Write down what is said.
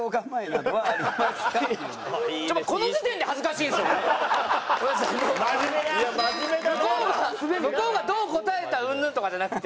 向こうが向こうがどう答えたうんぬんとかじゃなくて。